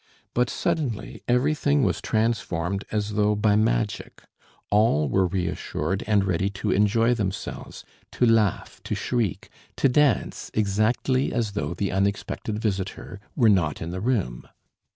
But suddenly everything was transformed as though by magic, all were reassured and ready to enjoy themselves, to laugh, to shriek; to dance, exactly as though the unexpected visitor were not in the room.